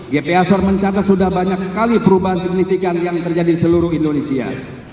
gpsor mencatat sudah banyak sekali perubahan signifikan yang terjadi di seluruh indonesia